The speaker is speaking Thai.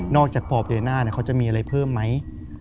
นอกจากพออบเดรน่าเขาจะมีอะไรเพิ่มไหม